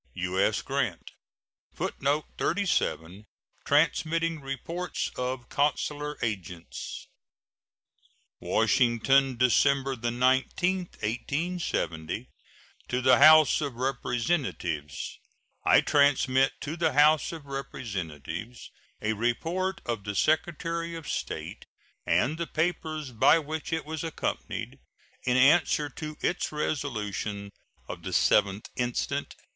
U.S. GRANT. [Footnote 37: Transmitting reports of consular agents.] WASHINGTON, December 19, 1870. To the House of Representatives: I transmit to the House of Representatives a report of the Secretary of State and the papers by which it was accompanied, in answer to its resolution of the 7th instant.